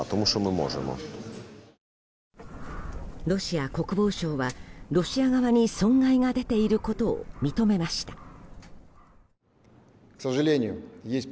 ロシア国防省はロシア側に損害が出ていることを認めました。